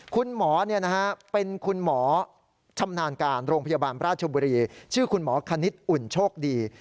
คุณหมอเป็นคุณหมอชำนาญการโรงพยาบาลราชบุรีชื่อคุณหมอคณิตอุ่นโชคดี